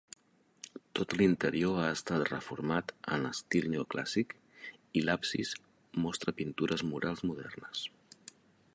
Tot l'interior ha estat reformat en estil neoclàssic i l'absis mostra pintures murals modernes.